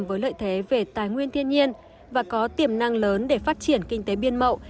với lợi thế về tài nguyên thiên nhiên và có tiềm năng lớn để phát triển kinh tế biên mậu